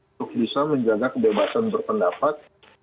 untuk bisa menjaga kebebasan berpendapat